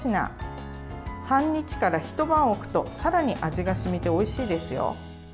半日からひと晩置くとさらに味が染みておいしいですよ。